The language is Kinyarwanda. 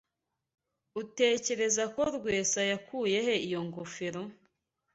Utekereza ko Rwesa yakuye he iyo ngofero?